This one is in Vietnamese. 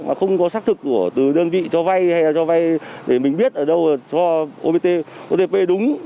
mà không có xác thực của từ đơn vị cho vay hay là cho vay để mình biết ở đâu cho opt otp đúng